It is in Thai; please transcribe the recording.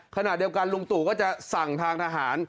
ขณะเดียวกันลุงตู่ก็จะสั่งทางทหาร